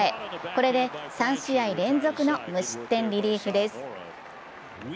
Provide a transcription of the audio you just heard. これで３試合連続の無失点リリーフです。